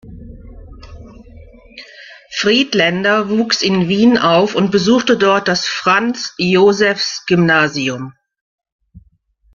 Friedländer wuchs in Wien auf und besuchte dort das Franz-Josephs-Gymnasium.